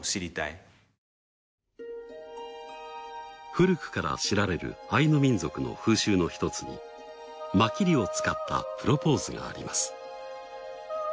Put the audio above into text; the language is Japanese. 古くから知られるアイヌ民族の風習の一つにマキリを使ったプロポーズがあります。